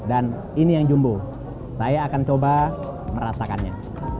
dan ini yang jumbo saya akan coba merasakannya